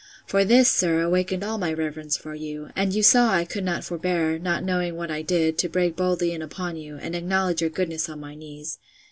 For this, sir, awakened all my reverence for you; and you saw I could not forbear, not knowing what I did, to break boldly in upon you, and acknowledge your goodness on my knees.